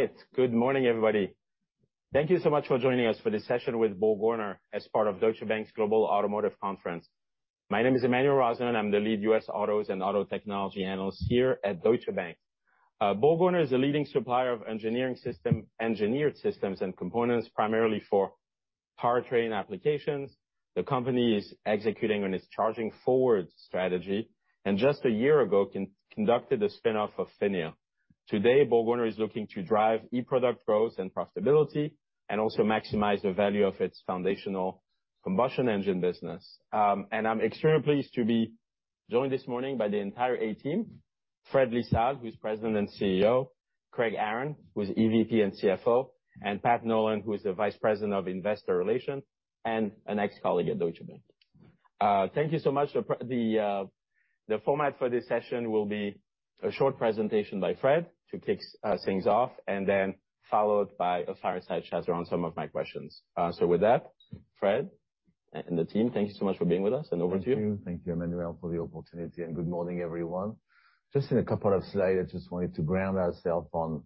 All right. Good morning, everybody. Thank you so much for joining us for this session with BorgWarner as part of Deutsche Bank's Global Automotive Conference. My name is Emmanuel Rosner. I'm the lead U.S. autos and auto technology analyst here at Deutsche Bank. BorgWarner is a leading supplier of engineered systems and components, primarily for powertrain applications. The company is executing on its Charging Forward strategy and, just a year ago, conducted a spinoff of PHINIA. Today, BorgWarner is looking to drive eProducts growth and profitability and also maximize the value of its foundational combustion engine business, and I'm extremely pleased to be joined this morning by the entire A-Team: Fred Lissalde, who's President and CEO; Craig Aaron, who's EVP and CFO; and Pat Nolan, who is the Vice President of Investor Relations and an ex-colleague at Deutsche Bank. Thank you so much. The format for this session will be a short presentation by Fred to kick things off and then followed by a fireside chat around some of my questions. So with that, Fred and the team, thank you so much for being with us, and over to you. Thank you. Thank you, Emmanuel, for the opportunity. And good morning, everyone. Just in a couple of slides, I just wanted to ground ourselves on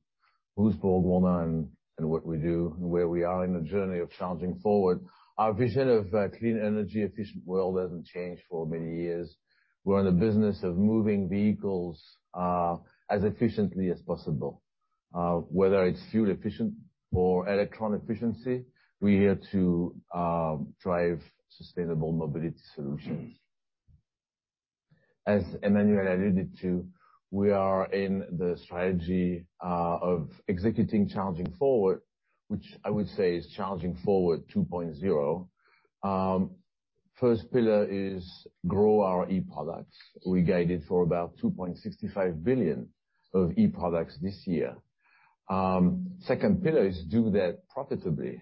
who's BorgWarner and what we do and where we are in the journey of Charging Forward. Our vision of a clean, energy-efficient world hasn't changed for many years. We're in the business of moving vehicles as efficiently as possible, whether it's fuel efficiency or electron efficiency. We're here to drive sustainable mobility solutions. As Emmanuel alluded to, we are in the strategy of executing Charging Forward, which I would say is Charging Forward 2.0. The first pillar is to grow our eProducts. We guided for about $2.65 billion of eProducts this year. The second pillar is to do that profitably.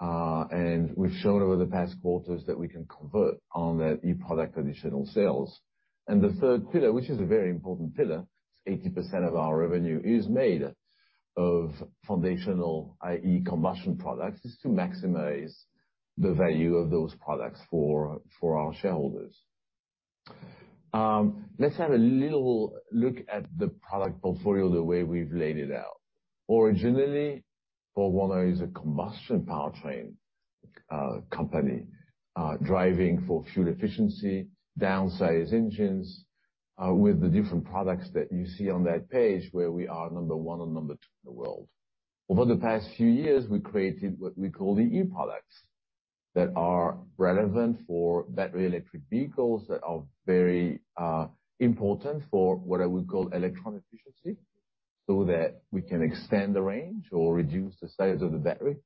And we've shown over the past quarters that we can convert on that eProduct additional sales. The third pillar, which is a very important pillar, 80% of our revenue is made of foundational, i.e., combustion products, is to maximize the value of those products for our shareholders. Let's have a little look at the product portfolio, the way we've laid it out. Originally, BorgWarner is a combustion powertrain company driving for fuel efficiency, downsized engines with the different products that you see on that page where we are number one and number two in the world. Over the past few years, we created what we call the eProducts that are relevant for battery-electric vehicles that are very important for what I would call electron efficiency so that we can extend the range or reduce the size of the battery.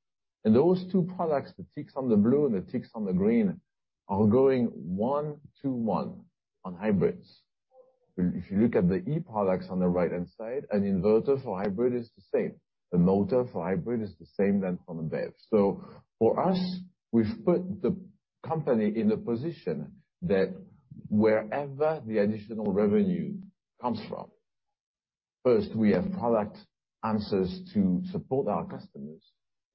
And those two products, the ticks on the blue and the ticks on the green, are going one-to-one on hybrids. If you look at the eProducts on the right-hand side, an inverter for hybrid is the same. A motor for hybrid is the same as for a BEV. So for us, we've put the company in a position that wherever the additional revenue comes from, first, we have product answers to support our customers,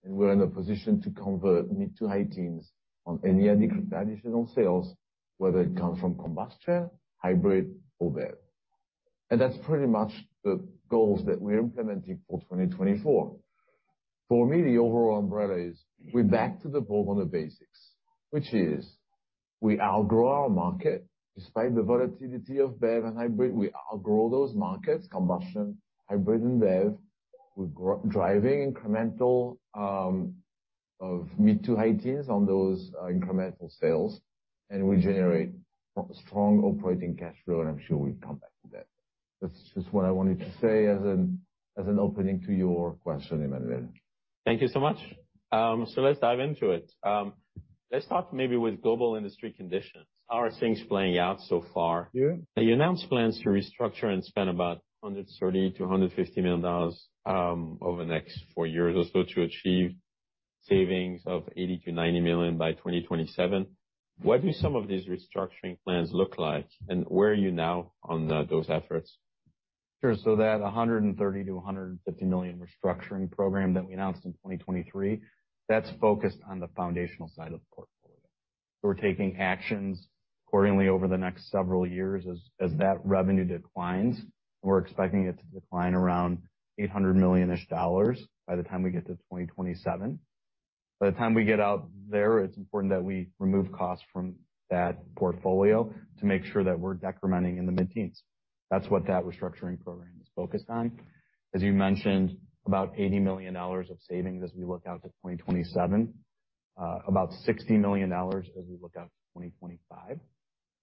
and we're in a position to convert mid-to-high teens on any additional sales, whether it comes from combustion, hybrid, or BEV. And that's pretty much the goals that we're implementing for 2024. For me, the overall umbrella is we're back to the BorgWarner basics, which is we outgrow our market. Despite the volatility of BEV and hybrid, we outgrow those markets: combustion, hybrid, and BEV. We're driving incremental mid-to-high teens on those incremental sales, and we generate strong operating cash flow. And I'm sure we'll come back to that. That's just what I wanted to say as an opening to your question, Emmanuel. Thank you so much. So let's dive into it. Let's start maybe with global industry conditions. How are things playing out so far? You announced plans to restructure and spend about $130 to $150 million over the next four years or so to achieve savings of $80 to $90 million by 2027. What do some of these restructuring plans look like, and where are you now on those efforts? Sure. So that $130 to $150 million restructuring program that we announced in 2023, that's focused on the foundational side of the portfolio. So we're taking actions accordingly over the next several years as that revenue declines. We're expecting it to decline around $800 million-ish by the time we get to 2027. By the time we get out there, it's important that we remove costs from that portfolio to make sure that we're decrementing in the mid-teens. That's what that restructuring program is focused on. As you mentioned, about $80 million of savings as we look out to 2027, about $60 million as we look out to 2025.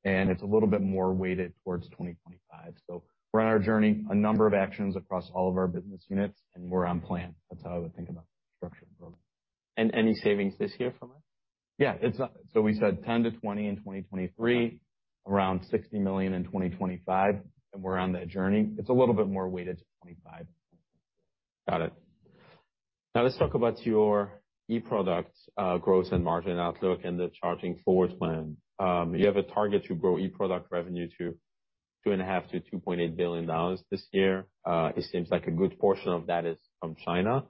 And it's a little bit more weighted towards 2025. So we're on our journey, a number of actions across all of our business units, and we're on plan. That's how I would think about the restructuring program. Any savings this year from it? Yeah. So we said $10 to $20 in 2023, around $60 million in 2025, and we're on that journey. It's a little bit more weighted to 2025. Got it. Now, let's talk about your eProducts growth and margin outlook and the Charging Forward plan. You have a target to grow eProduct revenue to $2.5 to $2.8 billion this year. It seems like a good portion of that is from China.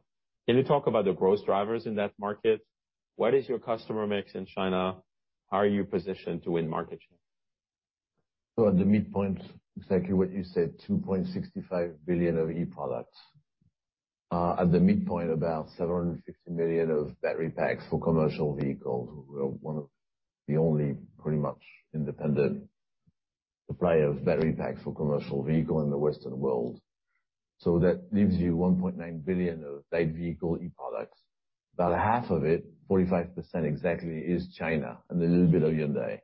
Can you talk about the growth drivers in that market? What is your customer mix in China? How are you positioned to win market share? So at the midpoint, exactly what you said, $2.65 billion of eProducts. At the midpoint, about $750 million of battery packs for commercial vehicles. We're one of the only pretty much independent suppliers of battery packs for commercial vehicles in the Western world. So that leaves you $1.9 billion of light vehicle eProducts. About half of it, 45% exactly, is China and a little bit of Hyundai.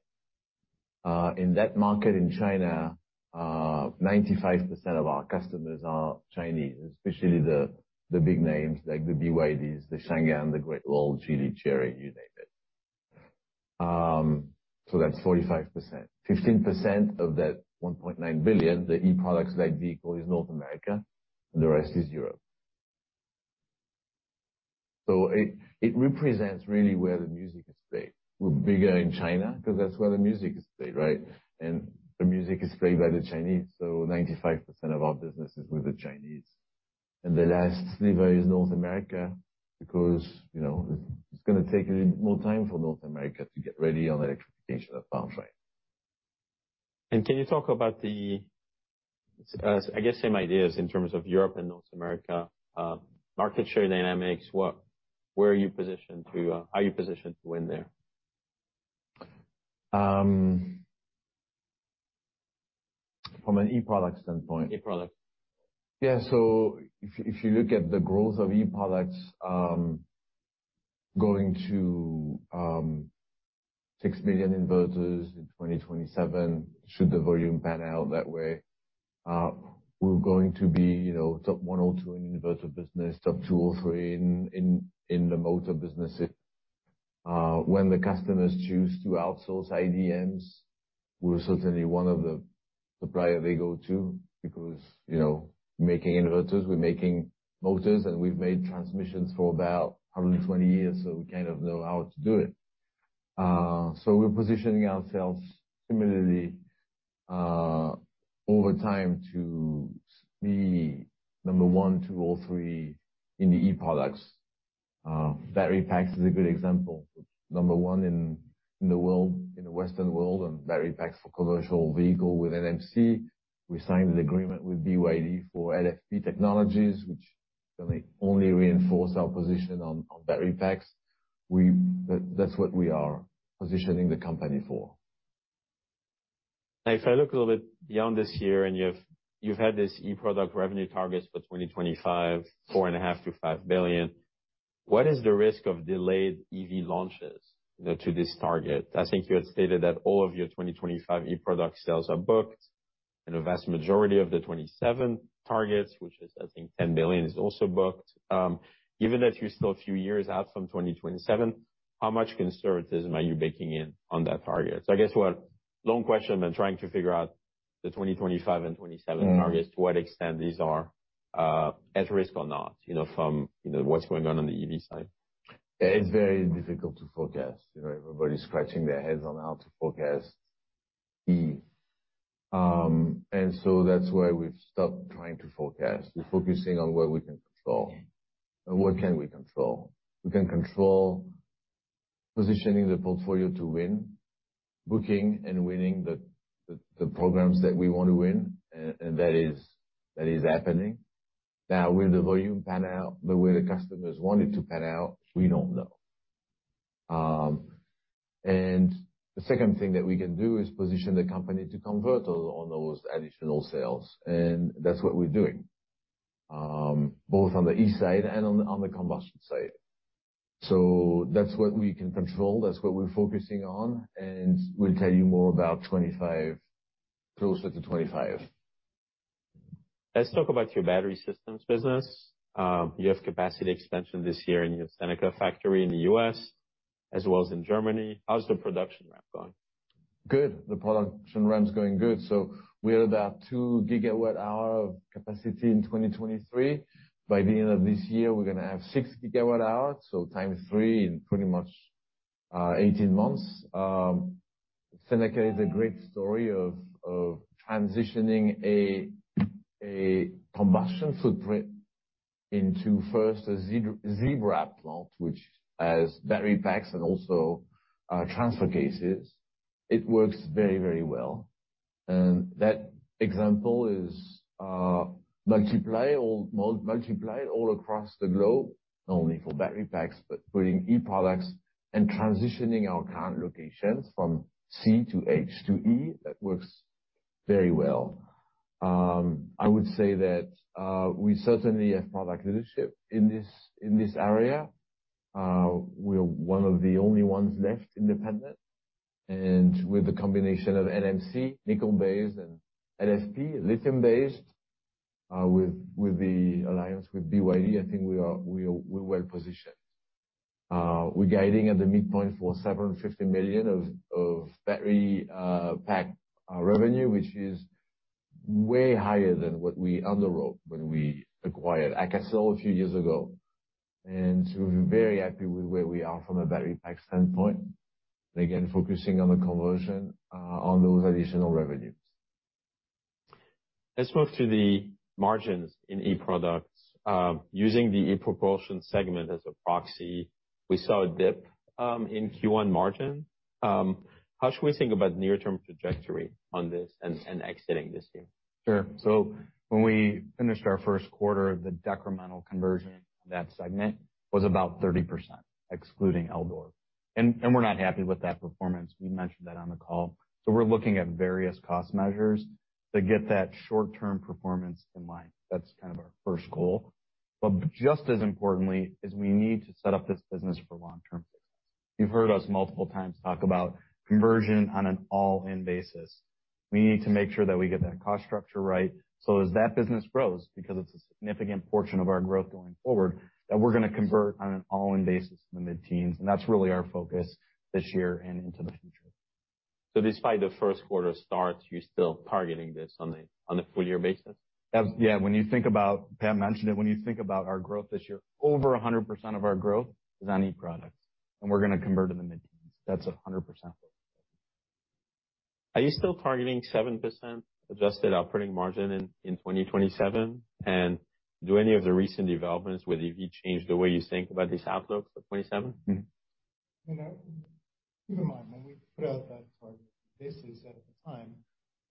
In that market in China, 95% of our customers are Chinese, especially the big names like the BYDs, the Changan, the Great Wall, Geely, Chery, you name it. So that's 45%. 15% of that $1.9 billion, the eProducts light vehicle, is North America, and the rest is Europe. So it represents really where the music is played. We're bigger in China because that's where the music is played, right? And the music is played by the Chinese. So 95% of our business is with the Chinese. And the last sliver is North America because it's going to take a little bit more time for North America to get ready on electrification of powertrain. Can you talk about the, I guess, same ideas in terms of Europe and North America market share dynamics? How are you positioned to win there? From an eProducts standpoint? eProduct. Yeah. So if you look at the growth of eProducts going to $6 billion inverters in 2027, should the volume pan out that way, we're going to be top one or two in inverter business, top two or three in the motor business. When the customers choose to outsource EDMs, we're certainly one of the suppliers they go to because we're making inverters, we're making motors, and we've made transmissions for about 120 years, so we kind of know how to do it. So we're positioning ourselves similarly over time to be number one, two, or three in the eProducts. Battery packs is a good example. Number one in the Western world on battery packs for commercial vehicles with NMC. We signed an agreement with BYD for LFP technologies, which only reinforces our position on battery packs. That's what we are positioning the company for. Now, if I look a little bit beyond this year and you've had these eProduct revenue targets for 2025, $4.5 to $5 billion, what is the risk of delayed EV launches to this target? I think you had stated that all of your 2025 eProduct sales are booked, and the vast majority of the 2027 targets, which is, I think, $10 billion, is also booked. Given that you're still a few years out from 2027, how much conservatism are you baking in on that target? So I guess, well, long question. I've been trying to figure out the 2025 and 2027 targets, to what extent these are at risk or not from what's going on on the EV side. It's very difficult to forecast. Everybody's scratching their heads on how to forecast EV. And so that's why we've stopped trying to forecast. We're focusing on what we can control and what can we control. We can control positioning the portfolio to win, booking, and winning the programs that we want to win, and that is happening. Now, with the volume pan out, the way the customers want it to pan out, we don't know. And the second thing that we can do is position the company to convert on those additional sales. And that's what we're doing, both on the E side and on the combustion side. So that's what we can control. That's what we're focusing on. And we'll tell you more about 2025, closer to 2025. Let's talk about your battery systems business. You have capacity expansion this year in your Seneca factory in the U.S. as well as in Germany. How's the production ramp going? Good. The production ramp's going good. So we had about 2 GWh of capacity in 2023. By the end of this year, we're going to have 6 GWh, so times three in pretty much 18 months. Seneca is a great story of transitioning a combustion footprint into first a CV plant, which has battery packs and also transfer cases. It works very, very well. That example is multiplied all across the globe, not only for battery packs, but putting eProducts and transitioning our current locations from C to H to E. That works very well. I would say that we certainly have product leadership in this area. We're one of the only ones left independent. With the combination of NMC, nickel-based, and LFP, lithium-based, with the alliance with BYD, I think we're well positioned. We're guiding at the midpoint for $750 million of battery pack revenue, which is way higher than what we underwrote when we acquired Akasol a few years ago, and so we're very happy with where we are from a battery pack standpoint, and again, focusing on the conversion on those additional revenues. Let's move to the margins in eProducts. Using the ePropulsion segment as a proxy, we saw a dip in Q1 margin. How should we think about near-term trajectory on this and exiting this year? Sure. So when we finished our first quarter, the decremental conversion in that segment was about 30%, excluding Eldor. And we're not happy with that performance. We mentioned that on the call. So we're looking at various cost measures to get that short-term performance in line. That's kind of our first goal. But just as importantly is we need to set up this business for long-term success. You've heard us multiple times talk about conversion on an all-in basis. We need to make sure that we get that cost structure right so as that business grows, because it's a significant portion of our growth going forward, that we're going to convert on an all-in basis in the mid-teens. And that's really our focus this year and into the future. So despite the first quarter start, you're still targeting this on a full-year basis? Yeah. When you think about Pat mentioned it, when you think about our growth this year, over 100% of our growth is on eProducts, and we're going to convert in the mid-teens. That's 100% focused. Are you still targeting 7% adjusted operating margin in 2027? And do any of the recent developments with EV change the way you think about these outlooks for 2027? Keep in mind, when we put out that target, this is at the time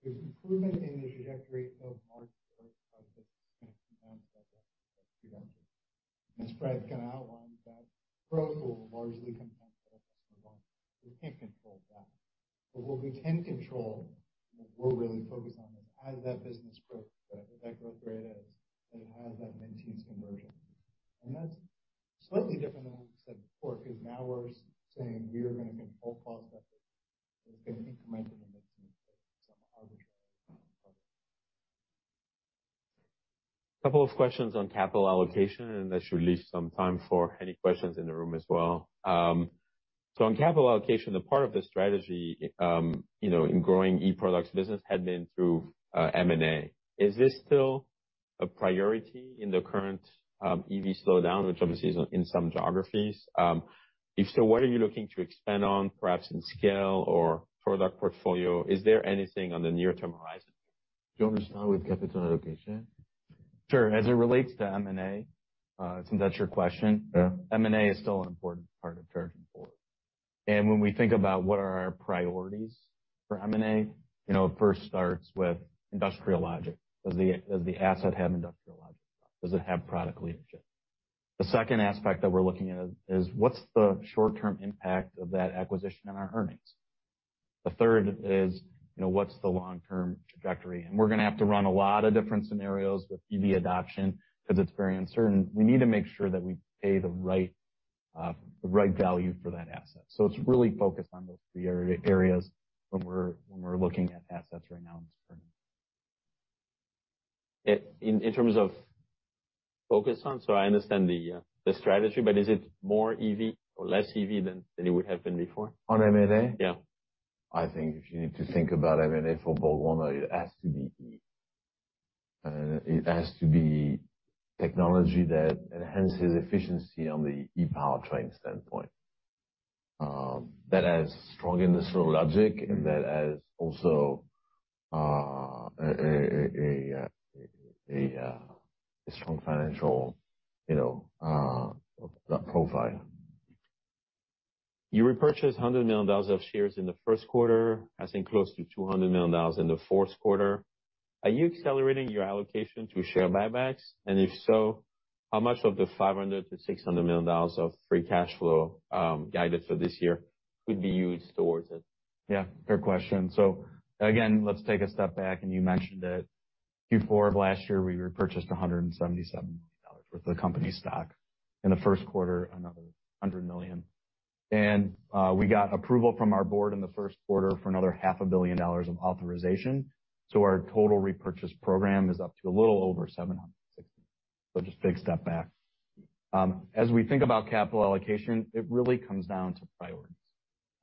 there's improvement in the trajectory of margin growth. This is going to come down to that trajectory. And as Fred kind of outlined, that growth will largely come down to that customer volume. We can't control that. But what we can control and what we're really focused on is as that business grows, that growth rate is, and it has that mid-teens conversion. And that's slightly different than what we said before because now we're saying we are going to control cost efforts. It's going to increment in the mid-teens with some arbitrary target. couple of questions on capital allocation, and that should leave some time for any questions in the room as well. So on capital allocation, a part of the strategy in growing eProducts business had been through M&A. Is this still a priority in the current EV slowdown, which obviously is in some geographies? If so, what are you looking to expand on, perhaps in scale or product portfolio? Is there anything on the near-term horizon? Do you understand with capital allocation? Sure. As it relates to M&A, since that's your question, M&A is still an important part of Charging Forward. And when we think about what are our priorities for M&A, it first starts with industrial logic. Does the asset have industrial logic? Does it have product leadership? The second aspect that we're looking at is what's the short-term impact of that acquisition on our earnings? The third is what's the long-term trajectory? And we're going to have to run a lot of different scenarios with EV adoption because it's very uncertain. We need to make sure that we pay the right value for that asset. So it's really focused on those three areas when we're looking at assets right now in this program. In terms of focus on, so I understand the strategy, but is it more EV or less EV than it would have been before? On M&A? Yeah. I think if you need to think about M&A for BorgWarner, it has to be EV. And it has to be technology that enhances efficiency on the e-powertrain standpoint, that has strong industrial logic, and that has also a strong financial profile. You repurchased $100 million of shares in the first quarter, as in close to $200 million in the fourth quarter. Are you accelerating your allocation to share buybacks? And if so, how much of the $500 to $600 million of free cash flow guided for this year could be used towards it? Yeah. Fair question. So again, let's take a step back. And you mentioned that Q4 of last year, we repurchased $177 million worth of the company stock. In the first quarter, another $100 million. And we got approval from our board in the first quarter for another $500 million of authorization. So our total repurchase program is up to a little over $760 million. So just big step back. As we think about capital allocation, it really comes down to priorities.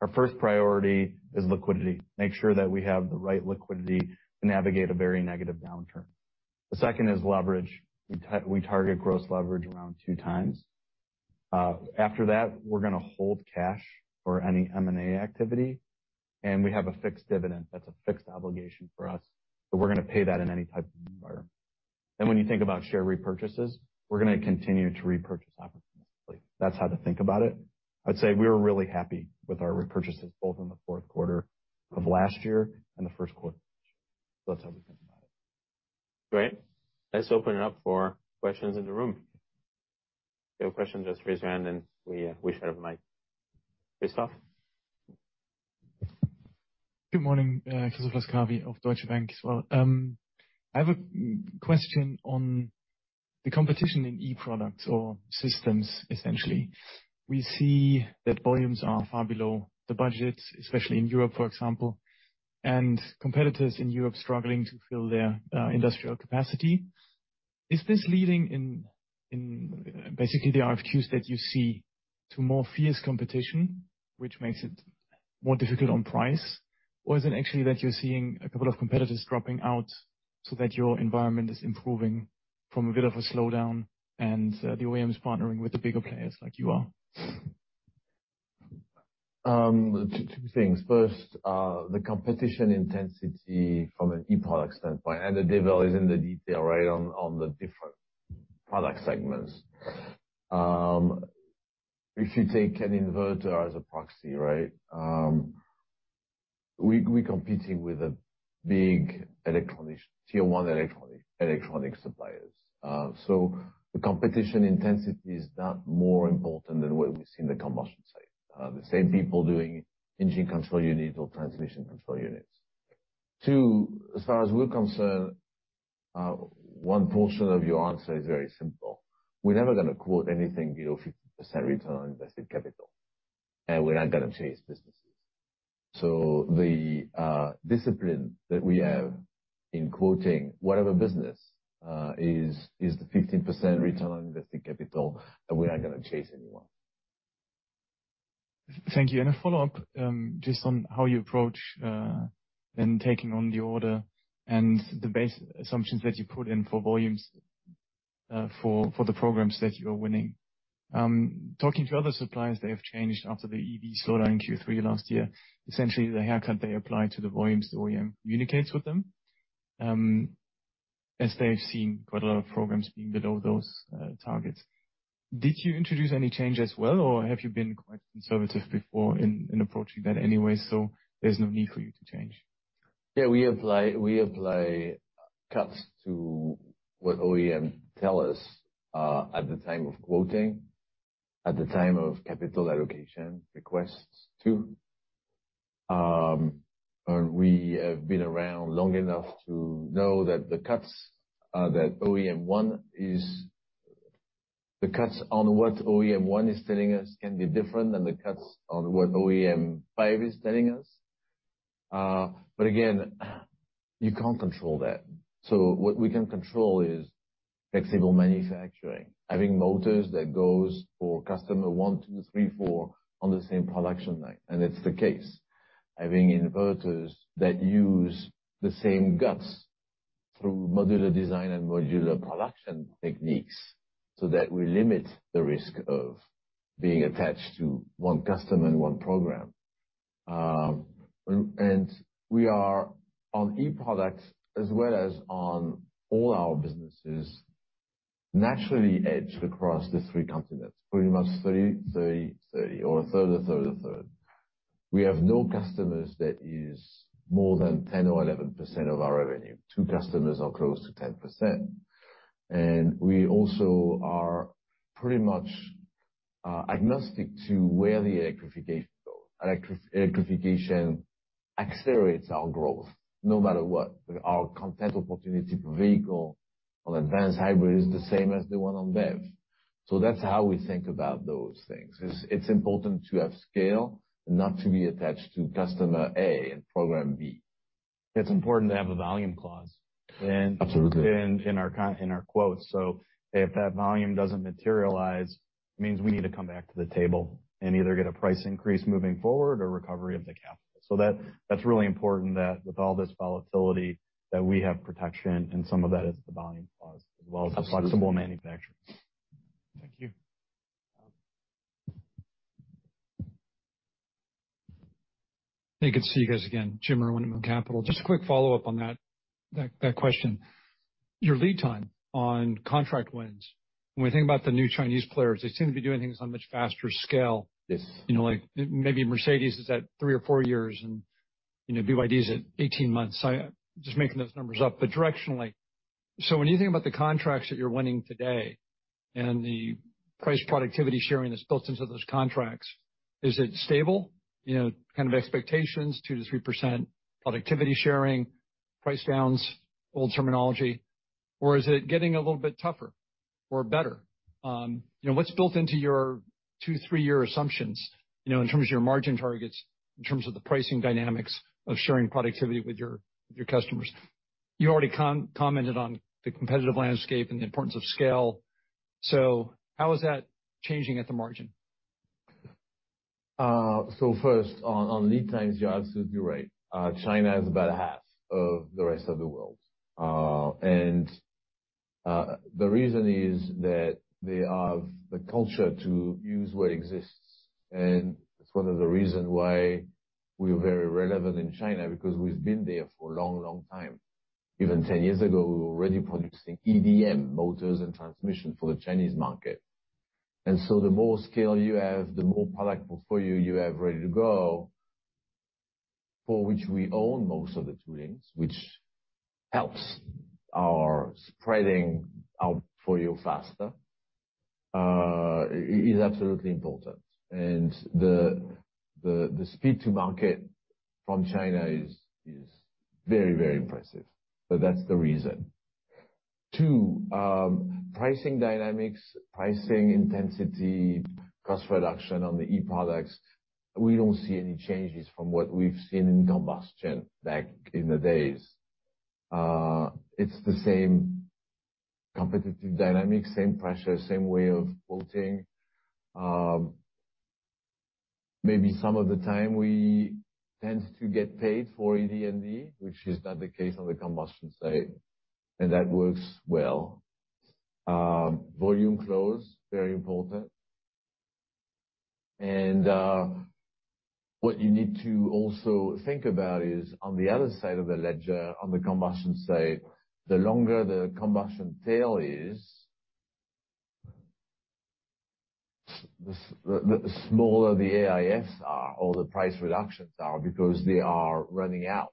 Our first priority is liquidity. Make sure that we have the right liquidity to navigate a very negative downturn. The second is leverage. We target gross leverage around two times. After that, we're going to hold cash for any M&A activity. And we have a fixed dividend. That's a fixed obligation for us. So we're going to pay that in any type of environment. And when you think about share repurchases, we're going to continue to repurchase opportunistically. That's how to think about it. I'd say we were really happy with our repurchases both in the fourth quarter of last year and the first quarter of this year. So that's how we think about it. Great. Let's open it up for questions in the room. If you have a question, just raise your hand, and we share the mic. Christoph? Good morning. Christoph Laskawi of Deutsche Bank as well. I have a question on the competition in eProducts or systems, essentially. We see that volumes are far below the budget, especially in Europe, for example, and competitors in Europe struggling to fill their industrial capacity. Is this leading in basically the RFQs that you see to more fierce competition, which makes it more difficult on price? Or is it actually that you're seeing a couple of competitors dropping out so that your environment is improving from a bit of a slowdown and the OEMs partnering with the bigger players like you are? Two things. First, the competition intensity from an eProduct standpoint. And the devil is in the detail, right, on the different product segments. If you take an inverter as a proxy, right, we're competing with a big Tier 1 electronic suppliers. So the competition intensity is not more important than what we see in the combustion side. The same people doing engine control units or transmission control units. Two, as far as we're concerned, one portion of your answer is very simple. We're never going to quote anything below 50% return on invested capital. And we're not going to chase businesses. So the discipline that we have in quoting whatever business is the 15% return on invested capital, and we're not going to chase anyone. Thank you, and a follow-up just on how you approach and taking on the order and the base assumptions that you put in for volumes for the programs that you are winning. Talking to other suppliers, they have changed after the EV slowdown in Q3 last year. Essentially, the haircut they apply to the volumes the OEM communicates with them, as they've seen quite a lot of programs being below those targets. Did you introduce any change as well, or have you been quite conservative before in approaching that anyway so there's no need for you to change? Yeah. We apply cuts to what OEMs tell us at the time of quoting, at the time of capital allocation requests too. And we have been around long enough to know that the cuts that OEM 1 is telling us can be different than the cuts on what OEM 5 is telling us. But again, you can't control that. So what we can control is flexible manufacturing, having motors that go for customer 1, 2, 3, 4 on the same production line. And that's the case. Having inverters that use the same guts through modular design and modular production techniques so that we limit the risk of being attached to one customer and one program. And we are on eProducts as well as on all our businesses naturally hedged across the three continents, pretty much 30-30-30 or a third, a third, a third. We have no customers that use more than 10% or 11% of our revenue. Two customers are close to 10%. And we also are pretty much agnostic to where the electrification goes. Electrification accelerates our growth no matter what. Our content opportunity per vehicle on advanced hybrid is the same as the one on BEV. So that's how we think about those things. It's important to have scale and not to be attached to customer A and program B. It's important to have a volume clause in our quotes. So if that volume doesn't materialize, it means we need to come back to the table and either get a price increase moving forward or recovery of the capital. So that's really important that with all this volatility that we have protection, and some of that is the volume clause as well as the flexible manufacturing. Thank you. Thank you. Good to see you guys again, Jim Marin with Capital. Just a quick follow-up on that question. Your lead time on contract wins, when we think about the new Chinese players, they seem to be doing things on much faster scale. Maybe Mercedes is at three or four years, and BYD is at 18 months. Just making those numbers up. But directionally, so when you think about the contracts that you're winning today and the price productivity sharing that's built into those contracts, is it stable? Kind of expectations, 2% to 3% productivity sharing, price downs, old terminology, or is it getting a little bit tougher or better? What's built into your two, three-year assumptions in terms of your margin targets, in terms of the pricing dynamics of sharing productivity with your customers? You already commented on the competitive landscape and the importance of scale. So how is that changing at the margin? So first, on lead times, you're absolutely right. China is about half of the rest of the world. And the reason is that they have the culture to use what exists. And that's one of the reasons why we're very relevant in China because we've been there for a long, long time. Even 10 years ago, we were already producing EDM motors and transmission for the Chinese market. And so the more scale you have, the more product portfolio you have ready to go, for which we own most of the toolings, which helps our spreading our portfolio faster, is absolutely important. And the speed to market from China is very, very impressive. So that's the reason. Two, pricing dynamics, pricing intensity, cost reduction on the eProducts, we don't see any changes from what we've seen in combustion back in the days. It's the same competitive dynamics, same pressure, same way of quoting. Maybe some of the time we tend to get paid for ED&D, which is not the case on the combustion side, and that works well. Volume clause, very important and what you need to also think about is on the other side of the ledger, on the combustion side, the longer the combustion tail is, the smaller the AIFs are or the price reductions are because they are running out,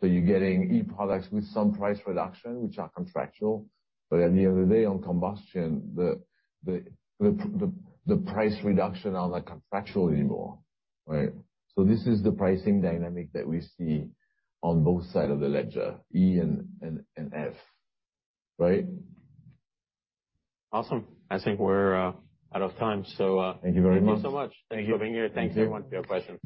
so you're getting eProducts with some price reduction, which are contractual, but at the end of the day, on combustion, the price reduction on the contractual anymore, right? So this is the pricing dynamic that we see on both sides of the ledger, E and F, right? Awesome. I think we're out of time, so. Thank you very much. Thank you so much for being here. Thanks, everyone. If you have questions.